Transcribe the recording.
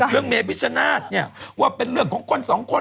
เรื่องเมนพิชชณาติเนี่ยเพราะเป็นเรื่องของคนสองคน